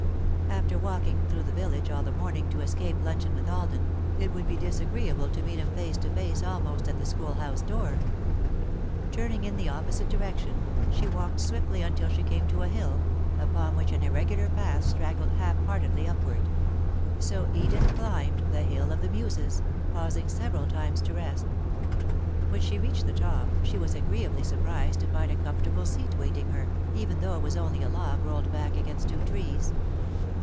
After walking through the village all the morning to escape luncheon with Alden, it would be disagreeable to meet him face to face almost at the schoolhouse door. Turning in the opposite direction, she walked swiftly until she came to a hill, upon which an irregular path straggled half heartedly upward. [Sidenote: The Finding of the Red Book] So Edith climbed the Hill of the Muses, pausing several times to rest. When she reached the top, she was agreeably surprised to find a comfortable seat waiting her, even though it was only a log rolled back against two trees.